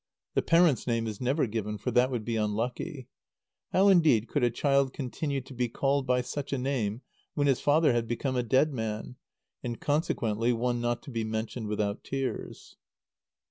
The parent's name is never given, for that would be unlucky. How, indeed, could a child continue to be called by such a name when its father had become a dead man, and consequently one not to be mentioned without tears?